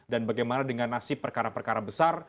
dan bagaimana dengan nasib perkara perkara besar